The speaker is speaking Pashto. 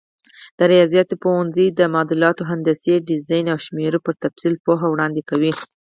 د ریاضیاتو پوهنځی د معادلاتو، هندسي ډیزاین او شمېرو پر تفصیل پوهه وړاندې کوي.